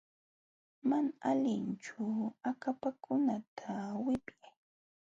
Mana allinchu akapakunata wipyay.